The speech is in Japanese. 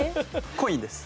コインです。